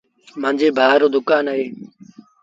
مآݩجي ڀآ رو دُڪآن اهي